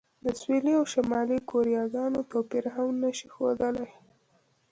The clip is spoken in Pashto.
د سویلي او شمالي کوریاګانو توپیر هم نه شي ښودلی.